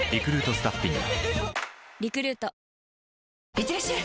いってらっしゃい！